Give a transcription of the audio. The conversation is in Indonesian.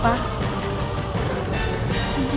pulanglah sama bella